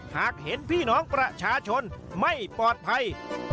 หากเห็นพี่น้องประชาชนไม่ปลอดภัย